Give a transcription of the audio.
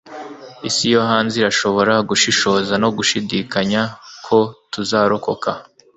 isi yo hanze irashobora gushishoza no gushidikanya ko tuzarokoka